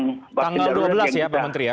tanggal dua belas ya pak menteri ya